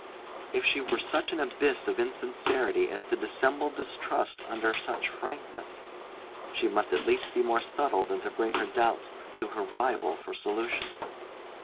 If she were such an abyss of insincerity as to dissemble distrust under such frankness, she must at least be more subtle than to bring her doubts to her rival for solution.